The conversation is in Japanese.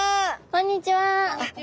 こんにちは。